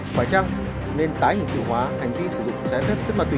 phải chăng nên tái hình sự hóa hành vi sử dụng trái phép chất ma túy